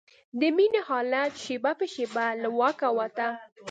د مينې حالت شېبه په شېبه له واکه وته.